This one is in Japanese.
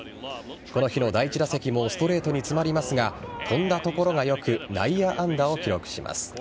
この日の第１打席もストレートに詰まりますが飛んだ所が良く内野安打を記録します。